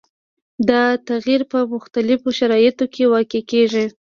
دا تغیر په مختلفو شرایطو کې واقع کیږي.